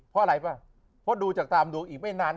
เพราะดูจากตามดูอีกไม่นาน